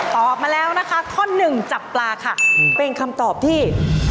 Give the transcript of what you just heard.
ตอบมาแล้วนะคะข้อหนึ่งจับปลาค่ะเป็นคำตอบที่